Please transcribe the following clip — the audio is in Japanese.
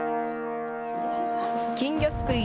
金魚すくい